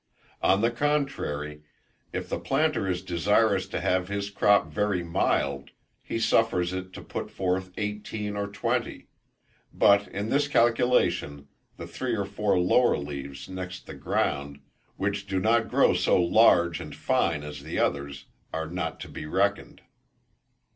On the contrary, if the planter is desirous to have his crop very mild, he suffers it to put forth eighteen or twenty: but in this calculation the three or four lower leaves next the ground, which do not grow so large and fine as the others, are not to be reckoned.